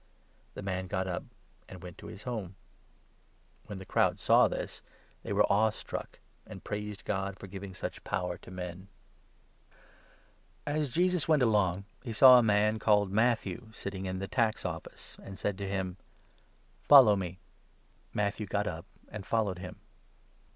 The man got up and went to his home. When 7,8 the crowd saw this, they were awe struck, and praised God for giving such power to men. MATTHEW, 9. 57 Can of As Jesus went along, he saw a man, called 9 Matthew. Matthew, sitting in the tax office, and said to him :" Follow me." Matthew got up and followed him.